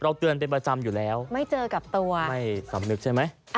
เตือนเป็นประจำอยู่แล้วไม่เจอกับตัวไม่สำนึกใช่ไหม